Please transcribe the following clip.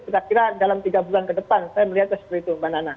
kira kira dalam tiga bulan ke depan saya melihatnya seperti itu mbak nana